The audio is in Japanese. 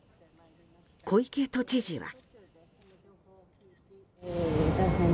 小池都知事は。